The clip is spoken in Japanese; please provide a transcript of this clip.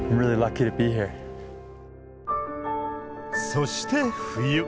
そして冬。